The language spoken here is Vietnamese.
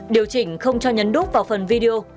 điều chỉnh không cho nhấn đúc vào phần video